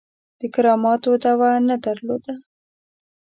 د کراماتو دعوه نه درلوده.